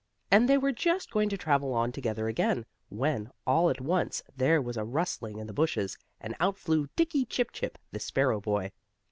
And they were just going to travel on together again, when, all at once, there was a rustling in the bushes, and out flew Dickie Chip Chip, the sparrow boy.